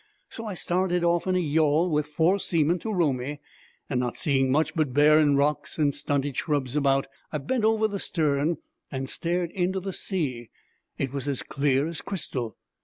So I started off in a yawl with four seamen to row me; and not seeing much but barren rocks and stunted shrubs about, I bent over the stern and stared into the sea. It was as clear as crystal.